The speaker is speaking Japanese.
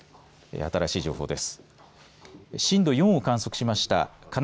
新しい情報です。